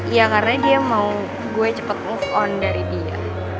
ya karena dia mau gue cepet move on dari dia